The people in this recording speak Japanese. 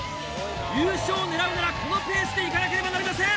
優勝を狙うならこのペースで行かなければなりません。